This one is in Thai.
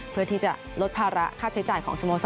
เพื่อที่จะลดภาระค่าใช้จ่ายของสโมสร